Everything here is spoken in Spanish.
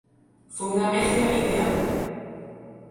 Fue una mezcla ideal.